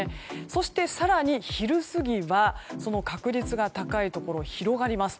そして更に昼過ぎはその確率が高いところが広がります。